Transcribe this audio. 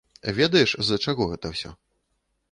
Ведаеш, з-за чаго гэта ўсё?